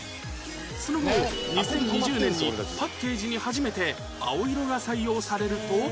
その後２０２０年にパッケージに初めて青色が採用されると